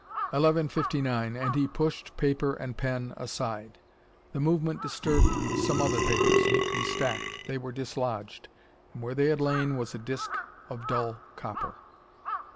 Eleven fifty nine and he pushed paper and pen aside. The movement disturbed some other papers, neatly stacked. They were dislodged, and where they had lain was a disk of dull copper.